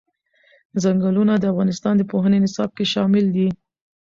ځنګلونه د افغانستان د پوهنې نصاب کې شامل دي.